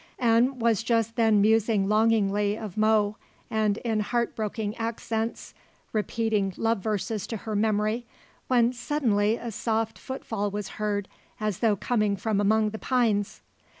An was just then musing longingly of Mo, and in heartbroken accents repeating love verses to her memory, when suddenly a soft footfall was heard as though coming from among the pines.